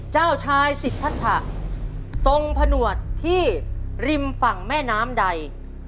เจ้าชายสิทธะทรงผนวดที่ริมฝั่งแม่น้ำใด